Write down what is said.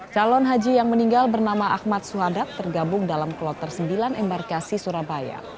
calon haji yang meninggal bernama ahmad suhadap tergabung dalam kloter sembilan embarkasi surabaya